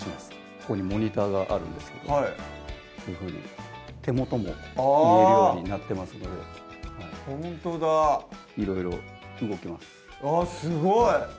ここにモニターがあるんですけどはいこういうふうに手元も見えるようになってますのでほんとだいろいろ動きますあっすごい！